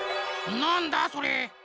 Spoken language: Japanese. なんだそれ？